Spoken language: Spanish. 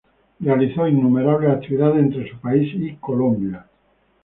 Realizó innumerables actividades entre su país y Colombia.